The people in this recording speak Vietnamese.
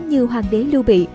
như hoàng đế lưu bị